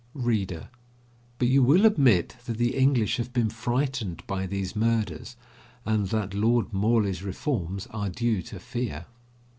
READER: But you will admit that the English have been frightened by these murders, and that Lord Morley's reforms are due to fear.